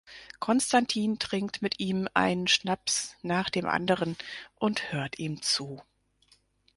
Konstantin trinkt mit ihm einen Schnaps nach dem anderen und hört ihm zu.